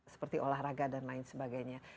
seperti olahraga dan lain sebagainya